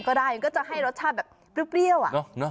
ก็ได้ก็จะให้รสชาติแบบเปรี้ยว